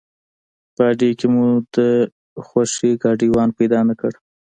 په اډې کې مو د خوښې ګاډیوان پیدا نه کړ.